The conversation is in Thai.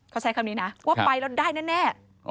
เขาใช้คำนี้นะว่าไปแล้วได้แน่